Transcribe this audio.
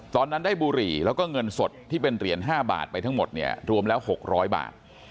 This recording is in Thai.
ตอนนั้นได้บุหรี่แล้วก็เงินสดที่เป็นเหรียญ๕บาทไปทั้งหมดเนี่ยรวมแล้ว๖๐๐บาท